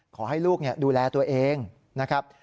ขอให้ลูกดูแลตัวเองนะครับ